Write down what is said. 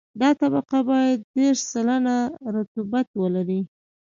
دا طبقه باید دېرش سلنه رطوبت ولري